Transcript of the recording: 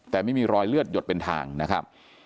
แต่ไม่มีรอยเลือดหยดเป็นทางนะครับ